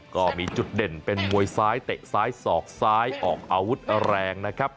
ก็มีจุดเด่นเป็นมวยซ้ายเตะซ้ายสอกซ้ายออกอาวุธแรงนะครับ